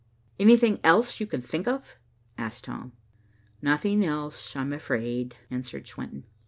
"Anything else you think of?" asked Tom. "Nothing else, I'm afraid," answered Swenton.